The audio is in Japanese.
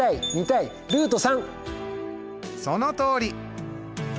そのとおり！